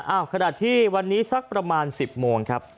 ขณะที่วันนี้สักประมาณ๑๐โมงครับ